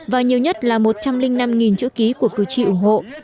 và nhiều nhất là một trăm linh năm chữ ký của cử tri ủng hộ